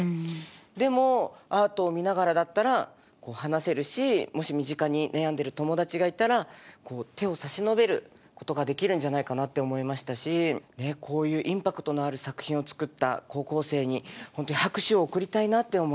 でもアートを見ながらだったら話せるしもし身近に悩んでる友達がいたらこう手を差し伸べることができるんじゃないかなって思いましたしこういうインパクトのある作品を作った高校生に本当に拍手を送りたいなって思いました。